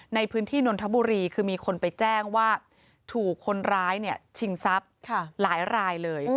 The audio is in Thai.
ในพื้นที่นนทบุรีคือมีคนไปแจ้งว่าถูกคนร้ายชิงทรัพย์หลายรายเลย